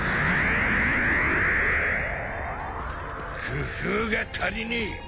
工夫が足りねえ！